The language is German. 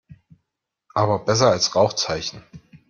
Aber besser als Rauchzeichen.